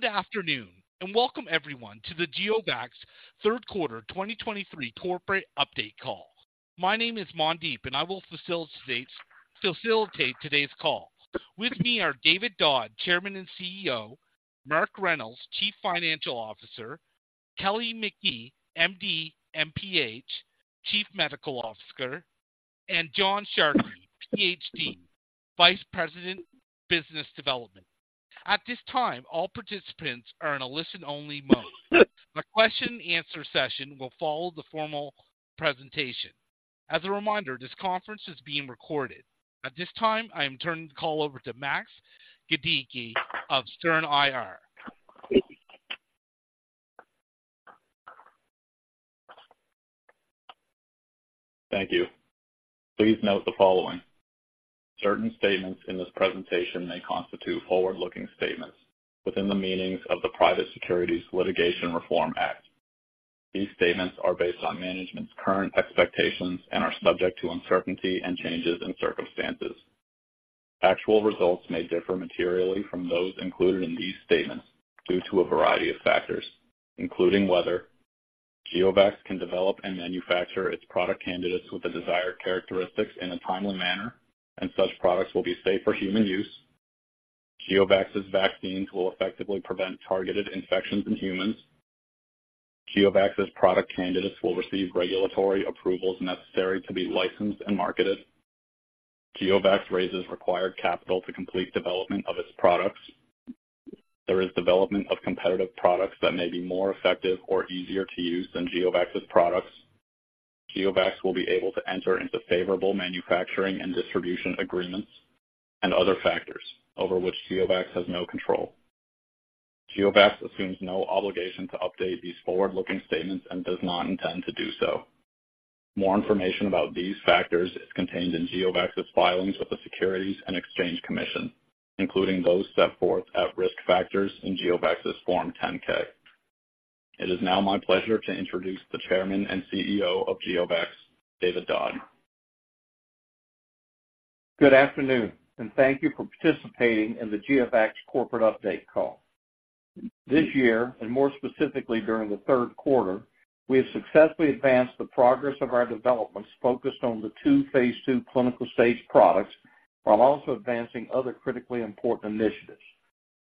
Good afternoon, and welcome everyone to the GeoVax third quarter 2023 corporate update call. My name is Mandeep, and I will facilitate today's call. With me are David Dodd, Chairman and CEO; Mark Reynolds, Chief Financial Officer; Kelly McKee, MD, MPH, Chief Medical Officer; and John Sharkey, PhD, Vice President, Business Development. At this time, all participants are in a listen-only mode. The question and answer session will follow the formal presentation. As a reminder, this conference is being recorded. At this time, I am turning the call over to Max Gadicke of Stern IR. Thank you. Please note the following: Certain statements in this presentation may constitute forward-looking statements within the meanings of the Private Securities Litigation Reform Act. These statements are based on management's current expectations and are subject to uncertainty and changes in circumstances. Actual results may differ materially from those included in these statements due to a variety of factors, including whether GeoVax can develop and manufacture its product candidates with the desired characteristics in a timely manner, and such products will be safe for human use. GeoVax's vaccines will effectively prevent targeted infections in humans. GeoVax's product candidates will receive regulatory approvals necessary to be licensed and marketed. GeoVax raises required capital to complete development of its products. There is development of competitive products that may be more effective or easier to use than GeoVax's products. GeoVax will be able to enter into favorable manufacturing and distribution agreements and other factors over which GeoVax has no control. GeoVax assumes no obligation to update these forward-looking statements and does not intend to do so. More information about these factors is contained in GeoVax's filings with the Securities and Exchange Commission, including those set forth at Risk Factors in GeoVax's Form 10-K. It is now my pleasure to introduce the Chairman and CEO of GeoVax, David Dodd. Good afternoon, and thank you for participating in the GeoVax corporate update call. This year, and more specifically during the third quarter, we have successfully advanced the progress of our developments focused on the two phase II clinical-stage products, while also advancing other critically important initiatives.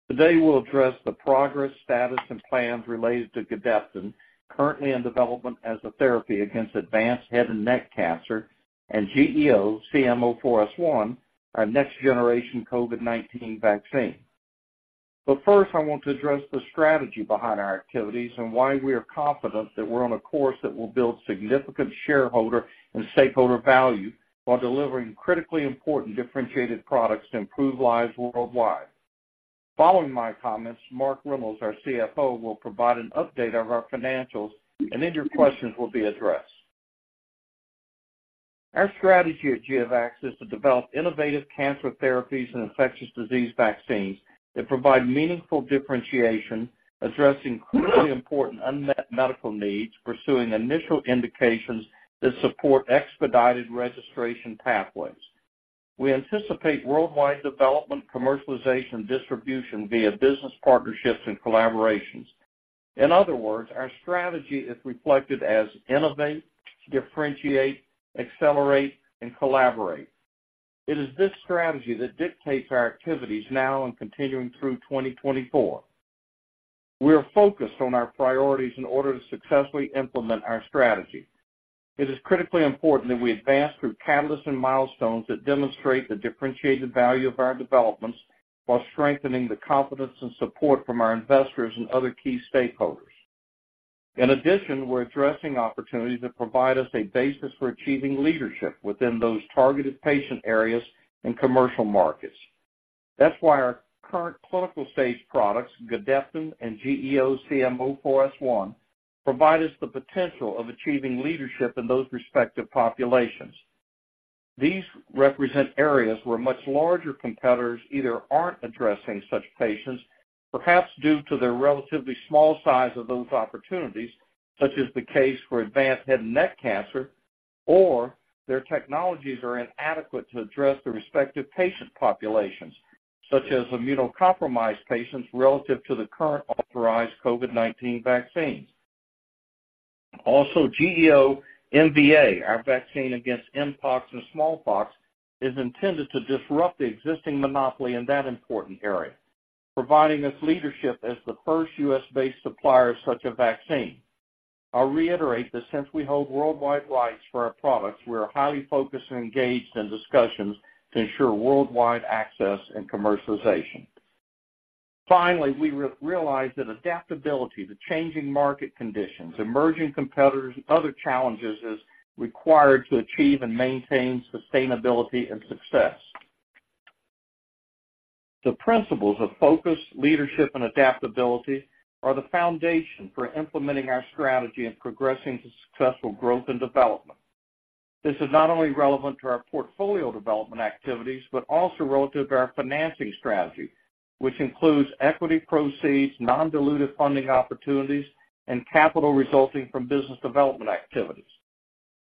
Today, we'll address the progress, status, and plans related to Gedeptin, currently in development as a therapy against advanced head and neck cancer, and GEO-CM04S1, our next-generation COVID-19 vaccine. But first, I want to address the strategy behind our activities and why we are confident that we're on a course that will build significant shareholder and stakeholder value while delivering critically important differentiated products to improve lives worldwide. Following my comments, Mark Reynolds, our CFO, will provide an update on our financials, and then your questions will be addressed. Our strategy at GeoVax is to develop innovative cancer therapies and infectious disease vaccines that provide meaningful differentiation, addressing critically important unmet medical needs, pursuing initial indications that support expedited registration pathways. We anticipate worldwide development, commercialization, and distribution via business partnerships and collaborations. In other words, our strategy is reflected as innovate, differentiate, accelerate, and collaborate. It is this strategy that dictates our activities now and continuing through 2024. We are focused on our priorities in order to successfully implement our strategy. It is critically important that we advance through catalysts and milestones that demonstrate the differentiated value of our developments while strengthening the confidence and support from our investors and other key stakeholders. In addition, we're addressing opportunities that provide us a basis for achieving leadership within those targeted patient areas and commercial markets. That's why our current clinical-stage products, Gedeptin and GEO-CM04S1, provide us the potential of achieving leadership in those respective populations. These represent areas where much larger competitors either aren't addressing such patients, perhaps due to their relatively small size of those opportunities, such as the case for advanced head and neck cancer, or their technologies are inadequate to address the respective patient populations, such as immunocompromised patients relative to the current authorized COVID-19 vaccines. Also, GEO-MVA, our vaccine against Mpox and smallpox, is intended to disrupt the existing monopoly in that important area, providing us leadership as the first U.S.-based supplier of such a vaccine. I'll reiterate that since we hold worldwide rights for our products, we are highly focused and engaged in discussions to ensure worldwide access and commercialization. Finally, we realize that adaptability to changing market conditions, emerging competitors, and other challenges is required to achieve and maintain sustainability and success. The principles of focus, leadership, and adaptability are the foundation for implementing our strategy and progressing to successful growth and development. This is not only relevant to our portfolio development activities, but also relative to our financing strategy, which includes equity proceeds, non-dilutive funding opportunities, and capital resulting from business development activities.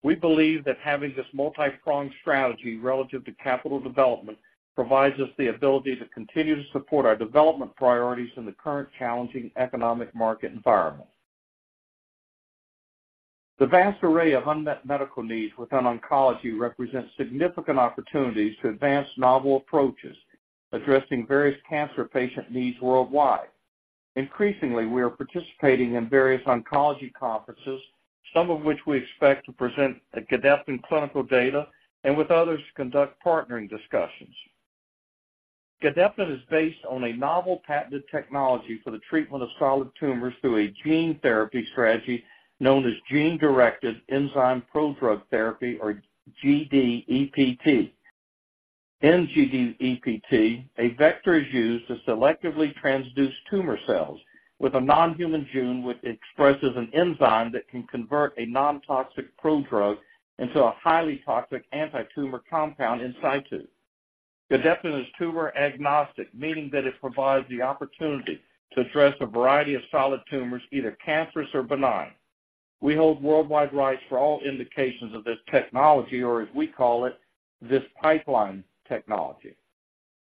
We believe that having this multi-pronged strategy relative to capital development provides us the ability to continue to support our development priorities in the current challenging economic market environment. The vast array of unmet medical needs within oncology represents significant opportunities to advance novel approaches, addressing various cancer patient needs worldwide. Increasingly, we are participating in various oncology conferences, some of which we expect to present the Gedeptin clinical data, and with others, to conduct partnering discussions. Gedeptin is based on a novel patented technology for the treatment of solid tumors through a gene therapy strategy known as gene-directed enzyme prodrug therapy, or GDEPT. In GDEPT, a vector is used to selectively transduce tumor cells with a non-human gene, which expresses an enzyme that can convert a non-toxic prodrug into a highly toxic antitumor compound in situ. Gedeptin is tumor-agnostic, meaning that it provides the opportunity to address a variety of solid tumors, either cancerous or benign. We hold worldwide rights for all indications of this technology, or as we call it, this pipeline technology.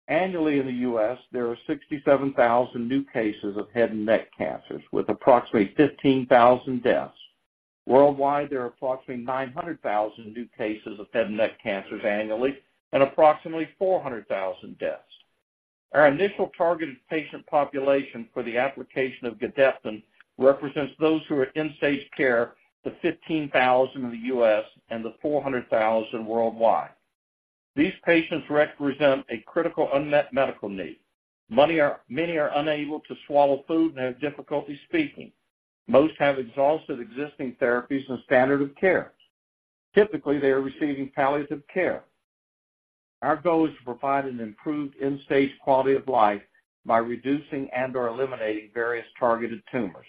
Annually in the U.S., there are 67,000 new cases of head and neck cancers, with approximately 15,000 deaths. Worldwide, there are approximately 900,000 new cases of head and neck cancers annually and approximately 400,000 deaths. Our initial targeted patient population for the application of Gedeptin represents those who are in end-stage care, the 15,000 in the U.S. and the 400,000 worldwide. These patients represent a critical unmet medical need. Many are unable to swallow food and have difficulty speaking. Most have exhausted existing therapies and standard of care. Typically, they are receiving palliative care. Our goal is to provide an improved end-stage quality of life by reducing and/or eliminating various targeted tumors.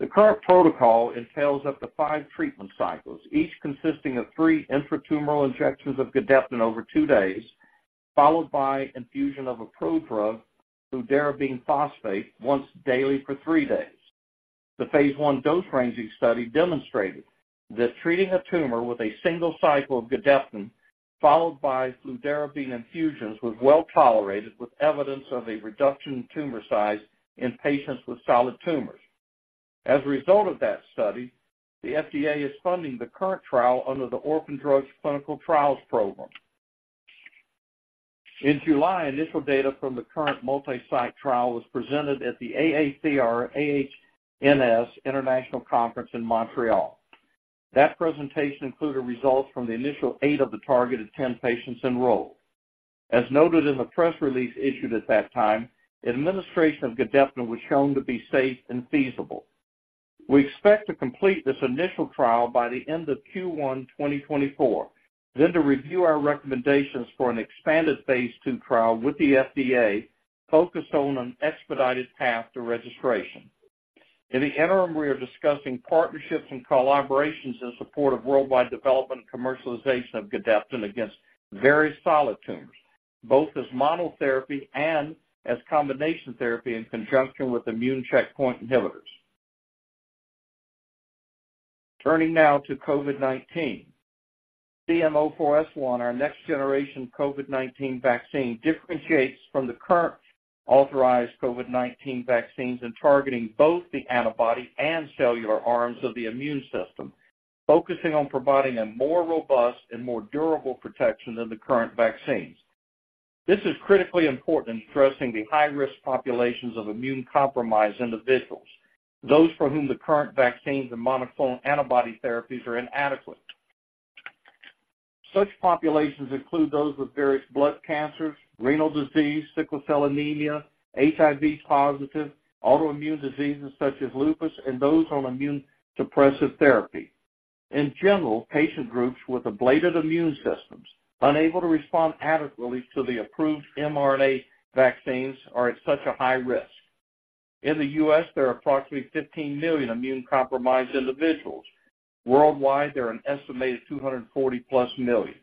The current protocol entails up to five treatment cycles, each consisting of three intratumoral injections of Gedeptin over two days, followed by infusion of a prodrug fludarabine phosphate once daily for three days. The phase one dose-ranging study demonstrated that treating a tumor with a single cycle of Gedeptin, followed by fludarabine infusions, was well tolerated, with evidence of a reduction in tumor size in patients with solid tumors. As a result of that study, the FDA is funding the current trial under the Orphan Drugs Clinical Trials Program. In July, initial data from the current multi-site trial was presented at the AACR-AHNS International Conference in Montreal. That presentation included results from the initial eight of the targeted 10 patients enrolled. As noted in the press release issued at that time, administration of Gedeptin was shown to be safe and feasible. We expect to complete this initial trial by the end of Q1 2024, then to review our recommendations for an expanded phase II trial with the FDA, focused on an expedited path to registration. In the interim, we are discussing partnerships and collaborations in support of worldwide development and commercialization of Gedeptin against various solid tumors, both as monotherapy and as combination therapy in conjunction with immune checkpoint inhibitors. Turning now to COVID-19. GEO-CM04S1, our next-generation COVID-19 vaccine, differentiates from the current authorized COVID-19 vaccines in targeting both the antibody and cellular arms of the immune system, focusing on providing a more robust and more durable protection than the current vaccines. This is critically important in addressing the high-risk populations of immunecompromised individuals, those for whom the current vaccines and monoclonal antibody therapies are inadequate. Such populations include those with various blood cancers, renal disease, sickle cell anemia, HIV positive, autoimmune diseases such as lupus, and those on immunosuppressive therapy. In general, patient groups with ablated immune systems, unable to respond adequately to the approved mRNA vaccines, are at such a high risk. In the U.S., there are approximately 15 million immunecompromised individuals. Worldwide, there are an estimated 240+ million.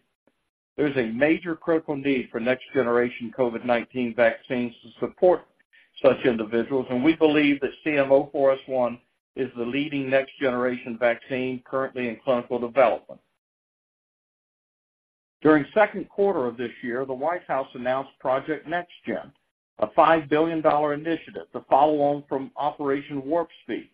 There's a major critical need for next-generation COVID-19 vaccines to support such individuals, and we believe that GEO-CM04S1 is the leading next-generation vaccine currently in clinical development. During the second quarter of this year, the White House announced Project NextGen, a $5 billion initiative, the follow-on from Operation Warp Speed,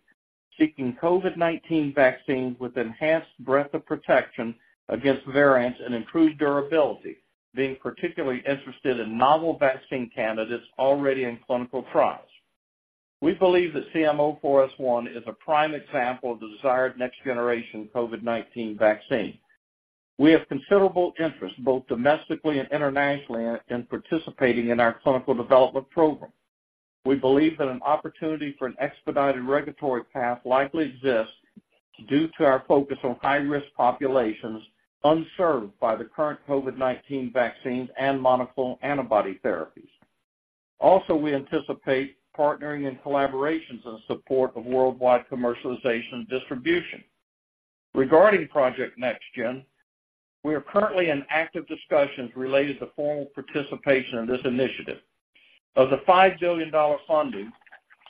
seeking COVID-19 vaccines with enhanced breadth of protection against variants and improved durability, being particularly interested in novel vaccine candidates already in clinical trials. We believe that GEO-CM04S1 is a prime example of the desired next-generation COVID-19 vaccine. We have considerable interest, both domestically and internationally, in participating in our clinical development program. We believe that an opportunity for an expedited regulatory path likely exists due to our focus on high-risk populations unserved by the current COVID-19 vaccines and monoclonal antibody therapies. Also, we anticipate partnering in collaborations in support of worldwide commercialization and distribution. Regarding Project NextGen. We are currently in active discussions related to formal participation in this initiative. Of the $5 billion funding,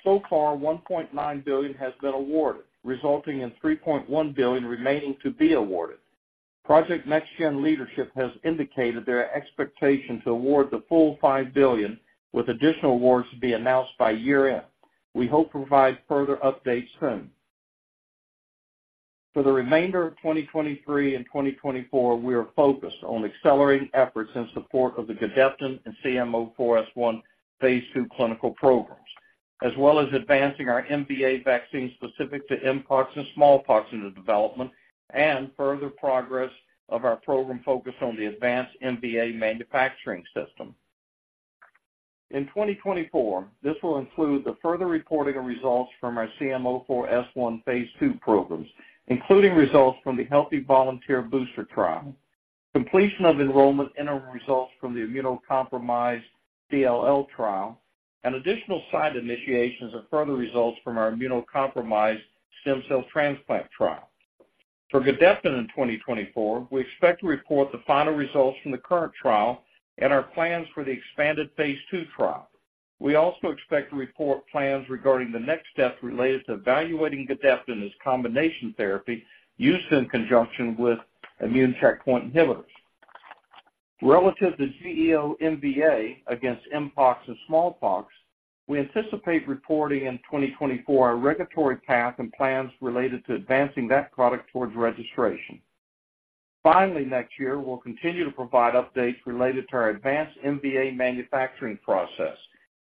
so far, $1.9 billion has been awarded, resulting in $3.1 billion remaining to be awarded. Project NextGen leadership has indicated their expectation to award the full $5 billion, with additional awards to be announced by year-end. We hope to provide further updates soon. For the remainder of 2023 and 2024, we are focused on accelerating efforts in support of the Gedeptin and GEO-CM04S1 phase II clinical programs, as well as advancing our MVA vaccine specific to Mpox and smallpox into development, and further progress of our program focused on the advanced MVA manufacturing system. In 2024, this will include the further reporting of results from our GEO-CM04S1 phase II programs, including results from the healthy volunteer booster trial, completion of enrollment interim results from the immunocompromised CLL trial, and additional site initiations and further results from our immunocompromised stem cell transplant trial. For Gedeptin in 2024, we expect to report the final results from the current trial and our plans for the expanded phase II trial. We also expect to report plans regarding the next step related to evaluating Gedeptin as combination therapy used in conjunction with immune checkpoint inhibitors. Relative to GEO-MVA against Mpox and smallpox, we anticipate reporting in 2024 a regulatory path and plans related to advancing that product towards registration. Finally, next year, we'll continue to provide updates related to our advanced MVA manufacturing process,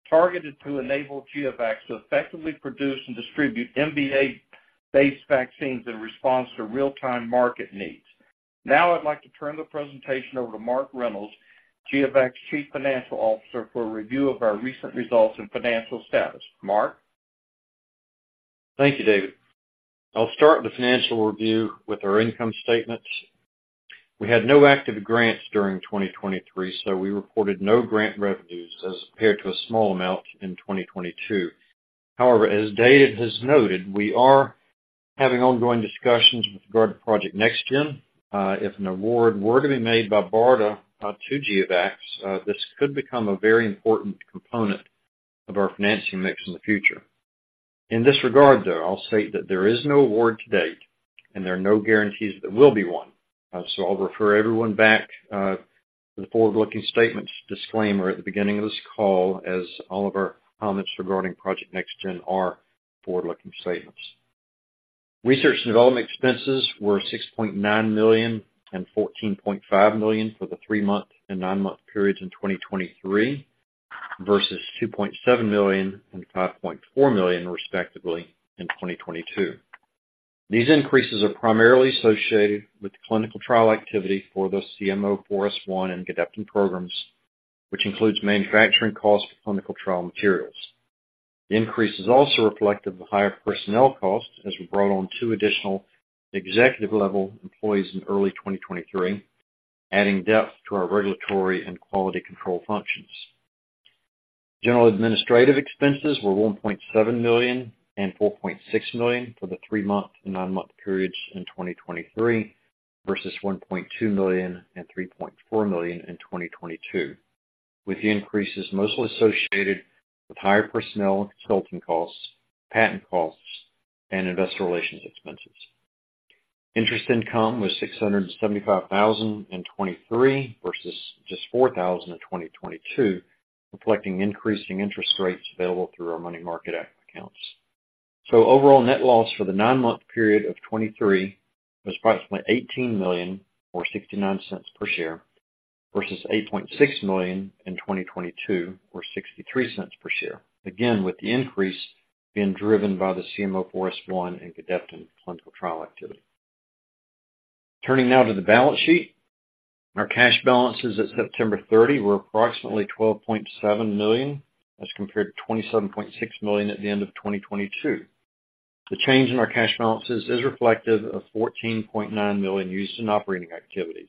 targeted to enable GeoVax to effectively produce and distribute MVA-based vaccines in response to real-time market needs. Now, I'd like to turn the presentation over to Mark Reynolds, GeoVax's Chief Financial Officer, for a review of our recent results and financial status. Mark? Thank you, David. I'll start the financial review with our income statements. We had no active grants during 2023, so we reported no grant revenues as compared to a small amount in 2022. However, as David has noted, we are having ongoing discussions with regard to Project NextGen. If an award were to be made by BARDA to GeoVax, this could become a very important component of our financing mix in the future. In this regard, though, I'll state that there is no award to date, and there are no guarantees that there will be one. So I'll refer everyone back to the forward-looking statements disclaimer at the beginning of this call, as all of our comments regarding Project NextGen are forward-looking statements. Research and development expenses were $6.9 million and $14.5 million for the three-month and nine-month periods in 2023, versus $2.7 million and $5.4 million, respectively, in 2022. These increases are primarily associated with the clinical trial activity for the CM04S1 and Gedeptin programs, which includes manufacturing costs for clinical trial materials. The increase is also reflective of the higher personnel costs, as we brought on two additional executive-level employees in early 2023, adding depth to our regulatory and quality control functions. General administrative expenses were $1.7 million and $4.6 million for the three-month and 9-month periods in 2023, versus $1.2 million and $3.4 million in 2022, with the increases mostly associated with higher personnel and consulting costs, patent costs, and investor relations expenses. Interest income was $675,023 versus just $4,000 in 2022, reflecting increasing interest rates available through our money market accounts. Overall net loss for the nine-month period of 2023 was approximately $18 million, or $0.69 per share, versus $8.6 million in 2022, or $0.63 per share. Again, with the increase being driven by the CM04S1 and Gedeptin clinical trial activity. Turning now to the balance sheet. Our cash balances at September 30 were approximately $12.7 million, as compared to $27.6 million at the end of 2022. The change in our cash balances is reflective of $14.9 million used in operating activities.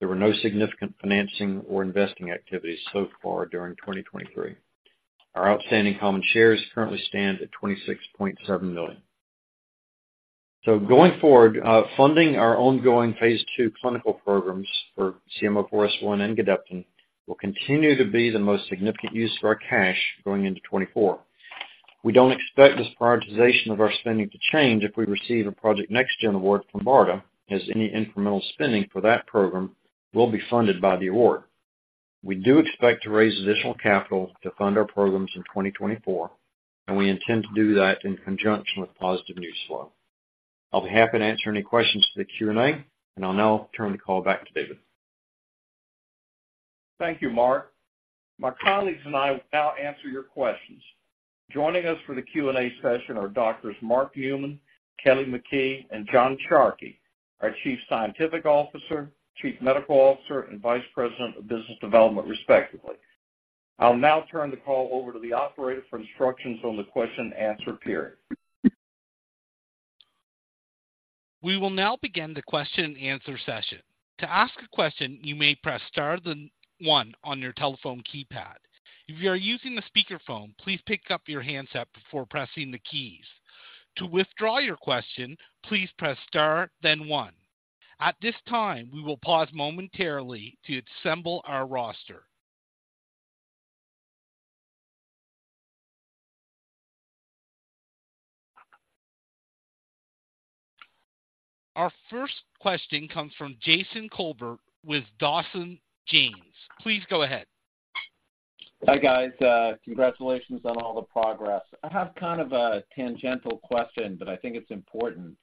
There were no significant financing or investing activities so far during 2023. Our outstanding common shares currently stand at 26.7 million. So going forward, funding our ongoing phase II clinical programs for CM04S1 and Gedeptin will continue to be the most significant use for our cash going into 2024. We don't expect this prioritization of our spending to change if we receive a Project NextGen award from BARDA, as any incremental spending for that program will be funded by the award. We do expect to raise additional capital to fund our programs in 2024, and we intend to do that in conjunction with positive news flow. I'll be happy to answer any questions through the Q&A, and I'll now turn the call back to David. Thank you, Mark. My colleagues and I will now answer your questions. Joining us for the Q&A session are Doctors Mark Newman, Kelly McKee, and John Sharkey, our Chief Scientific Officer, Chief Medical Officer, and Vice President of Business Development, respectively. I'll now turn the call over to the operator for instructions on the question and answer period. We will now begin the question and answer session. To ask a question, you may press star then one on your telephone keypad. If you are using a speakerphone, please pick up your handset before pressing the keys. To withdraw your question, please press star then one. At this time, we will pause momentarily to assemble our roster. Our first question comes from Jason Kolbert with Dawson James. Please go ahead. Hi, guys, congratulations on all the progress. I have kind of a tangential question, but I think it's important.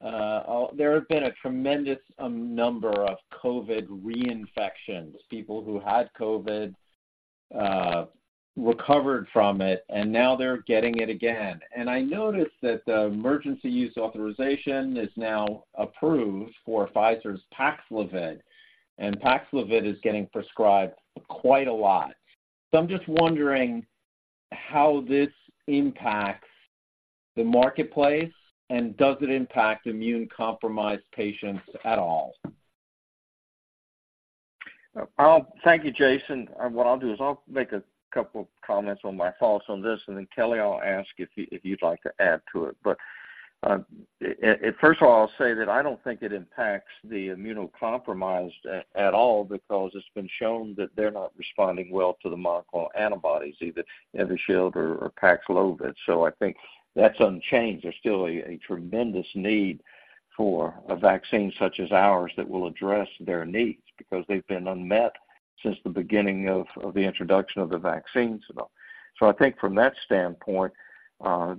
There have been a tremendous number of COVID reinfections, people who had COVID, recovered from it, and now they're getting it again. And I noticed that the emergency use authorization is now approved for Pfizer's Paxlovid, and Paxlovid is getting prescribed quite a lot. So I'm just wondering how this impacts the marketplace, and does it impact immunecompromised patients at all? Thank you, Jason. What I'll do is I'll make a couple of comments on my thoughts on this, and then, Kelly, I'll ask if you'd like to add to it. But, first of all, I'll say that I don't think it impacts the immunocompromised at all because it's been shown that they're not responding well to the monoclonal antibodies, either Evusheld or Paxlovid. So I think that's unchanged. There's still a tremendous need for a vaccine such as ours that will address their needs because they've been unmet since the beginning of the introduction of the vaccines. So I think from that standpoint,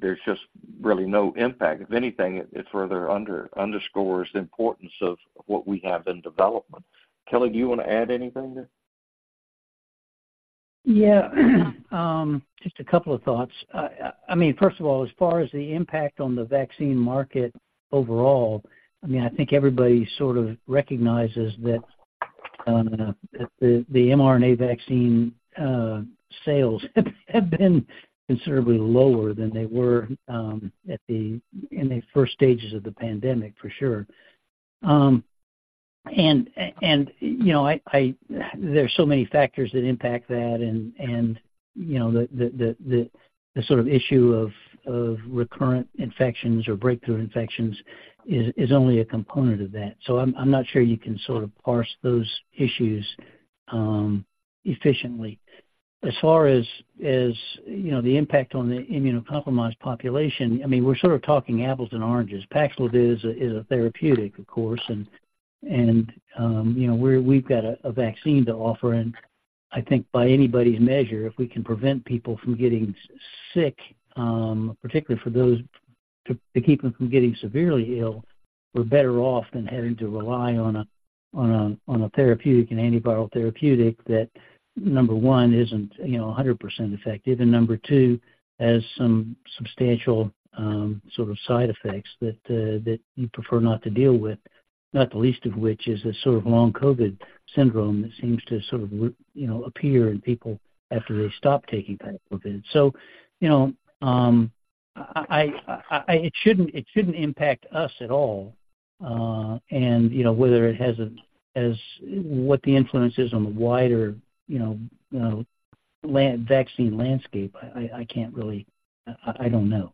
there's just really no impact. If anything, it further underscores the importance of what we have in development. Kelly, do you want to add anything there? Yeah. Just a couple of thoughts. I mean, first of all, as far as the impact on the vaccine market overall, I mean, I think everybody sort of recognizes that the mRNA vaccine sales have been considerably lower than they were in the first stages of the pandemic, for sure. And you know, there are so many factors that impact that, and you know, the sort of issue of recurrent infections or breakthrough infections is only a component of that. So I'm not sure you can sort of parse those issues efficiently. As far as you know, the impact on the immunocompromised population, I mean, we're sort of talking apples and oranges. Paxlovid is a therapeutic, of course, and you know, we've got a vaccine to offer. And I think by anybody's measure, if we can prevent people from getting sick, particularly for those to keep them from getting severely ill, we're better off than having to rely on a therapeutic, an antiviral therapeutic, that, number one, isn't you know, 100% effective, and number two, has some substantial sort of side effects that that you prefer not to deal with, not the least of which is a sort of long COVID syndrome that seems to sort of reappear in people after they stop taking Paxlovid. So, you know, it shouldn't impact us at all. You know, whether it has as what the influence is on the wider, you know, vaccine landscape, I can't really... I don't know.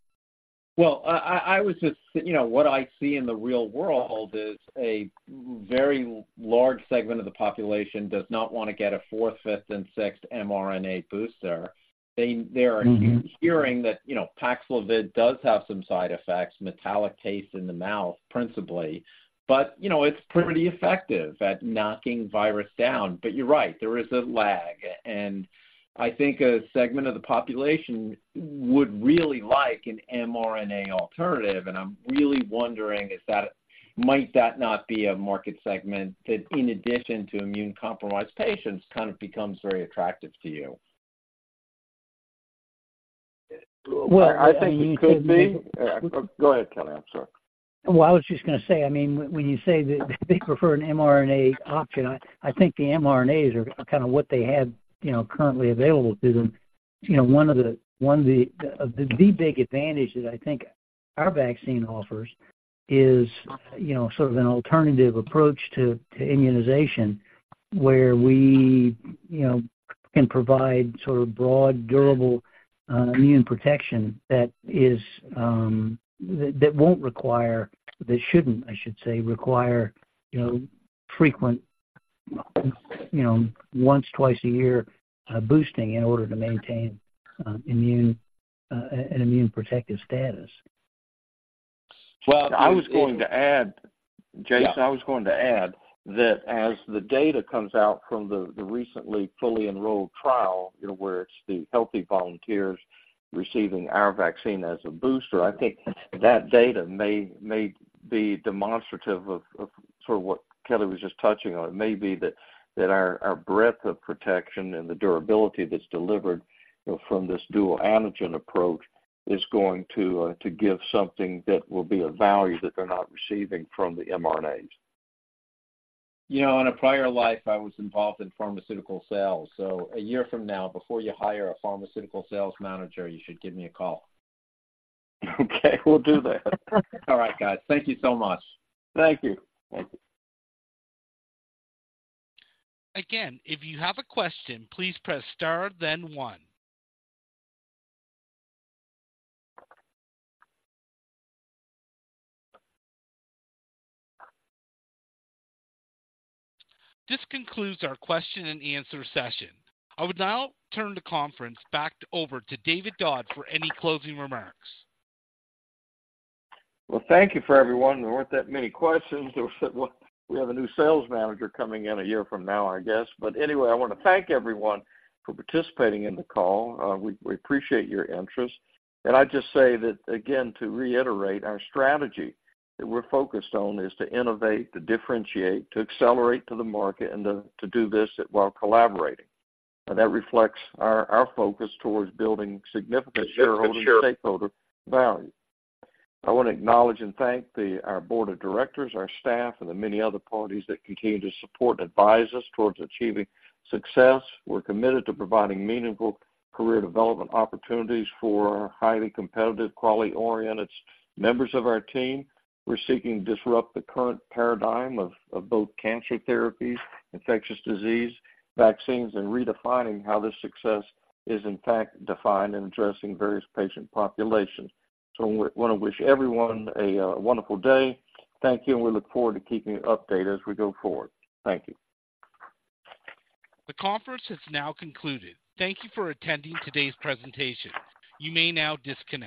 Well, I was just, you know, what I see in the real world is a very large segment of the population does not want to get a fourth, fifth, and sixth mRNA booster. They are- Mm-hmm. Hearing that, you know, Paxlovid does have some side effects, metallic taste in the mouth, principally, but, you know, it's pretty effective at knocking virus down. But you're right, there is a lag, and I think a segment of the population would really like an mRNA alternative, and I'm really wondering, is that, might that not be a market segment that, in addition to immunecompromised patients, kind of becomes very attractive to you? Well, I think it could be. Go ahead, Kelly. I'm sorry. Well, I was just gonna say, I mean, when you say that they prefer an mRNA option, I think the mRNAs are kind of what they have, you know, currently available to them. You know, one of the big advantage that I think our vaccine offers is, you know, sort of an alternative approach to immunization, where we, you know, can provide sort of broad, durable immune protection that is, that won't require, that shouldn't, I should say, require, you know, frequent, you know, once, twice a year boosting in order to maintain immune, an immune protective status. Well, I was going to add, Jason- Yeah. I was going to add that as the data comes out from the recently fully enrolled trial, you know, where it's the healthy volunteers receiving our vaccine as a booster, I think that data may be demonstrative of sort of what Kelly was just touching on. It may be that our breadth of protection and the durability that's delivered, you know, from this dual antigen approach is going to give something that will be of value that they're not receiving from the mRNAs. You know, in a prior life, I was involved in pharmaceutical sales, so a year from now, before you hire a pharmaceutical sales manager, you should give me a call. Okay, we'll do that. All right, guys. Thank you so much. Thank you. Thank you. Again, if you have a question, please press star, then one. This concludes our question and answer session. I would now turn the conference back over to David Dodd for any closing remarks. Well, thank you for everyone. There weren't that many questions. Well, we have a new sales manager coming in a year from now, I guess. But anyway, I want to thank everyone for participating in the call. We, we appreciate your interest, and I'd just say that, again, to reiterate our strategy, that we're focused on is to innovate, to differentiate, to accelerate to the market, and to, to do this while collaborating. And that reflects our, our focus towards building significant shareholder and stakeholder value. I want to acknowledge and thank the, our board of directors, our staff, and the many other parties that continue to support and advise us towards achieving success. We're committed to providing meaningful career development opportunities for our highly competitive, quality-oriented members of our team. We're seeking to disrupt the current paradigm of both cancer therapies, infectious disease, vaccines, and redefining how this success is, in fact, defined and addressing various patient populations. So we wanna wish everyone a wonderful day. Thank you, and we look forward to keeping you updated as we go forward. Thank you. The conference has now concluded. Thank you for attending today's presentation. You may now disconnect.